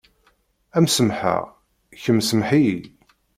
Am semḥeɣ, kemm semḥ-iyi.